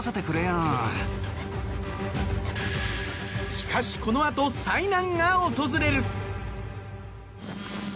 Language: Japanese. しかしこのあと災難が訪れる。